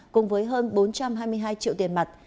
cùng với hơn bốn trăm hai mươi hai triệu tiền mặt